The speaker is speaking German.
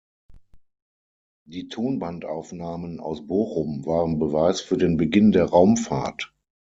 Die Tonbandaufnahmen aus Bochum waren Beweis für den Beginn der Raumfahrt.